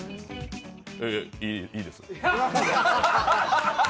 いいです。